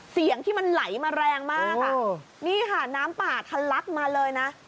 เสียงที่มันไหลมาแรงมากอ่ะนี่ค่ะน้ำป่าทะลักมาเลยนะ